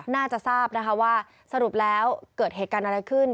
น่าจะทราบนะคะว่าสรุปแล้วเกิดเหตุการณ์อะไรขึ้น